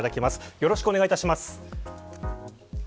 よろしくお願いします。